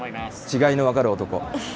違いの分かる男。